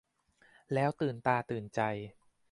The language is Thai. แล้วตื่นตาตื่นใจ